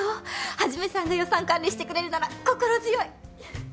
一さんが予算管理してくれるなら心強い。